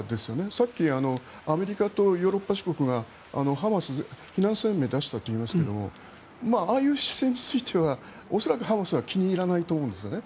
さっき、アメリカとヨーロッパ諸国がハマスに非難声明を出したといいますがああいう姿勢については恐らくハマスが気に入らないと思うんですよね。